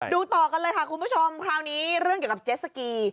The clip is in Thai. ต่อกันเลยค่ะคุณผู้ชมคราวนี้เรื่องเกี่ยวกับเจสสกี